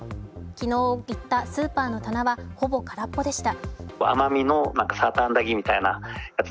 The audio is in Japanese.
昨日行ったスーパーの棚はほぼ空っぽでした。